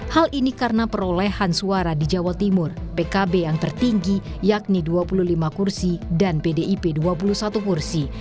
hal ini karena perolehan suara di jawa timur pkb yang tertinggi yakni dua puluh lima kursi dan pdip dua puluh satu kursi